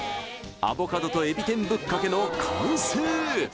アボカドと海老天ぶっかけの完成